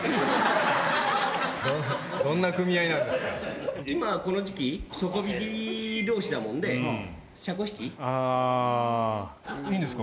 どんな組合なんですか。